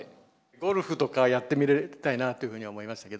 ゴルフとかやってみたいなっていうふうに思いましたけども。